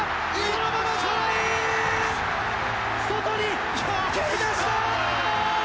外に蹴り出した！